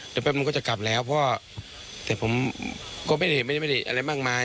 เดี๋ยวแป๊บนึงก็จะกลับแล้วเพราะว่าแต่ผมก็ไม่ได้เห็นไม่ได้อะไรบางมาย